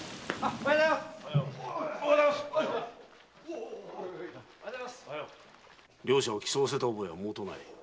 おはよう！両者を競わせた覚えは毛頭ない。